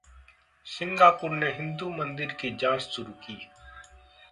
Singapore ने हिन्दू मंदिर की जांच शुरू की